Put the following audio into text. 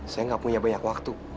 saya gak punya banyak waktu